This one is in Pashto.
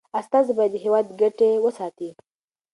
استازي باید د هیواد ګټي وساتي.